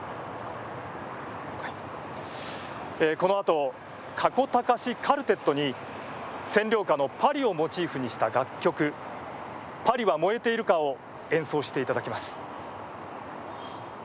このあと、加古隆クァルテットに占領下のパリをモチーフにした楽曲「パリは燃えているか」を演奏していただきます。